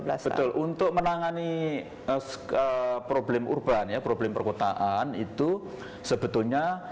betul untuk menangani problem urban ya problem perkotaan itu sebetulnya